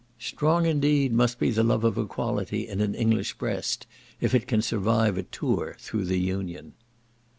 Strong, indeed, must be the love of equality in an English breast if it can survive a tour through the Union.